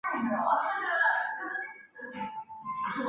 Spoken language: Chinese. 猩红膨大海葵为甲胄海葵科膨大海葵属的动物。